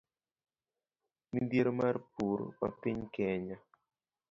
Midhiero mar pur ma piny Kenya